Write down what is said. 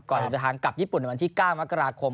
เดินทางกลับญี่ปุ่นในวันที่๙มกราคม